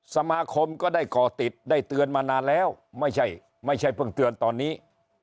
สมาคมก็ได้ก่อติดได้เตือนมานานแล้วไม่ใช่ไม่ใช่เพิ่งเตือนตอนนี้